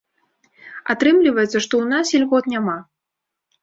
Атрымліваецца, што ў нас ільгот няма.